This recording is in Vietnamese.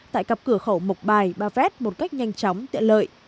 tại cặp cửa khẩu mộc bài ba vét một cách nhanh chóng tiện lợi